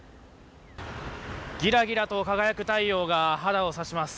ギラギラと輝く太陽が肌を刺します。